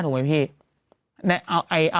คือคือคือคือ